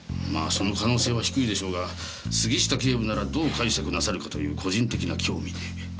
まあその可能性は低いでしょうが杉下警部ならどう解釈なさるかという個人的な興味で。